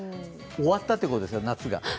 終わったということですよ夏が。